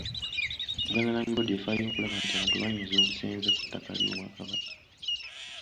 Buganda Land Board efaayo okulaba nti abantu banyweza obusenze ku ttaka ly’Obwakabaka.